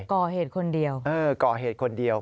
ก่อเหตุคนเดียว